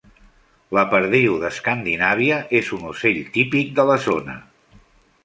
La perdiu d'Escandinàvia és un ocell típic de la zona.